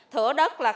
thửa đất là khó khăn